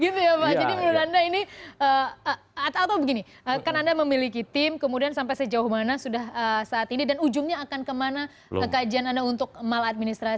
jadi menurut anda ini atau begini kan anda memiliki tim kemudian sampai sejauh mana sudah saat ini dan ujungnya akan kemana kegajian anda untuk maladministrasi